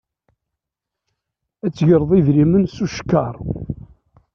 Ad d-tegreḍ idrimen s ucekkaṛ.